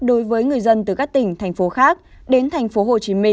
đối với người dân từ các tỉnh thành phố khác đến tp hcm